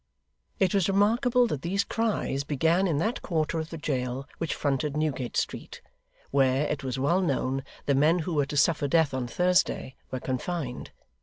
It was remarkable that these cries began in that quarter of the jail which fronted Newgate Street, where, it was well known, the men who were to suffer death on Thursday were confined.